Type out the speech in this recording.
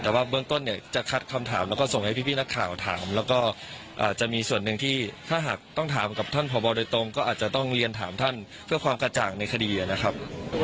แต่ว่าเบื้องต้นเนี่ยจะคัดคำถามแล้วก็ส่งให้พี่นักข่าวถามแล้วก็อาจจะมีส่วนหนึ่งที่ถ้าหากต้องถามกับท่านพบโดยตรงก็อาจจะต้องเรียนถามท่านเพื่อความกระจ่างในคดีนะครับ